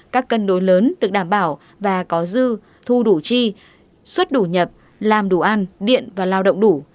các cân đối lớn được đảm bảo và có dư thu đủ chi xuất đủ nhập làm đủ ăn điện và lao động đủ